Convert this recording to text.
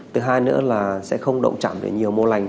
thứ hai nữa là sẽ không động chạm về nhiều mô lành